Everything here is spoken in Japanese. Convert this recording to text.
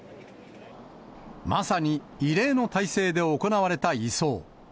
まさに異例の態勢で行われた移送。